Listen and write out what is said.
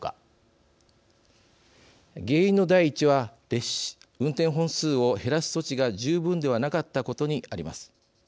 原因の第一は運転本数を減らす措置が十分ではなかったことにあります。